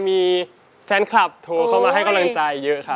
มีแฟนคลับโทรเข้ามาให้กำลังใจเยอะครับ